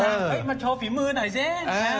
เฮ้ยมาโชว์ฝีมือหน่อยสิ